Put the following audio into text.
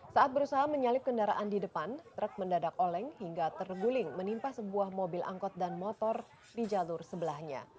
saat berusaha menyalip kendaraan di depan truk mendadak oleng hingga terguling menimpa sebuah mobil angkot dan motor di jalur sebelahnya